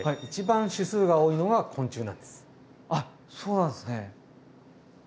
あっそうなんですね。